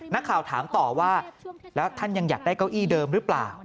นักข่าวถามต่อว่าแล้วท่านยังอยากได้เก้าอี้เดิมหรือเปล่า